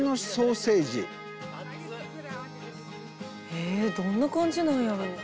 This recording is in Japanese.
えどんな感じなんやろう？